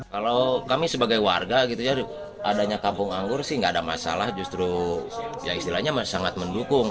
kalau kami sebagai warga gitu adanya kampung anggur sih gak ada masalah justru istilahnya sangat mendukung